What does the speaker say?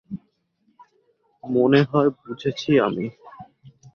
মনে হয় বুঝেছি আমি।